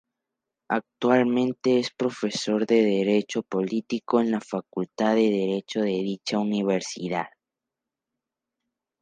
Actualmente es profesor de Derecho Político en la Facultad de Derecho de dicha universidad.